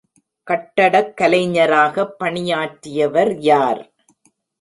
கட்டடக் கலைஞராகப் பணியாற்றியவர், யார்.